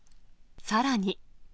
さらに。